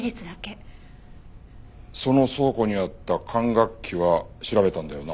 その倉庫にあった管楽器は調べたんだよな？